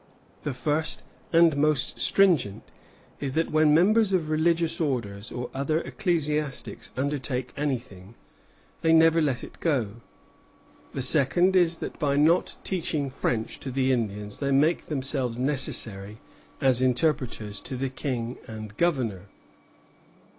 The first and most stringent is that when members of religious orders or other ecclesiastics undertake anything, they never let it go. The second is that by not teaching French to the Indians they make themselves necessary [as interpreters] to the King and the governor.